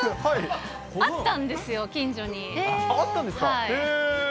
あったんですよ、近所に。